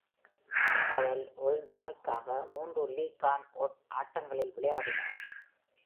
அவர் ஓல்ட்ஹாமிற்காக மூன்று league one ஆட்டங்களில் விளையாடினார்.